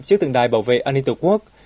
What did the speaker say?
trước tượng đài bảo vệ an ninh tổ quốc